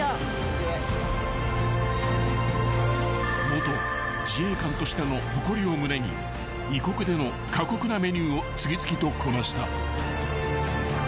［元自衛官としての誇りを胸に異国での過酷なメニューを次々とこなした］